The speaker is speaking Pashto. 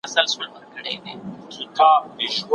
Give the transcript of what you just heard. روماني اسلوب باید د څيړني په مقالو کي ونه کارول سي.